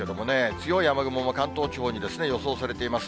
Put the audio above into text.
強い雨雲も関東地方に予想されています。